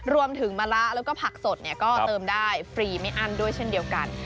มะละแล้วก็ผักสดก็เติมได้ฟรีไม่อั้นด้วยเช่นเดียวกัน